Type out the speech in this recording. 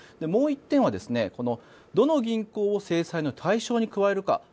もう１点はどの銀行を制裁の対象に加えるか